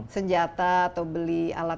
senjata atau beli alat